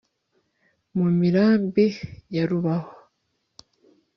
mu mirambi ya rubaho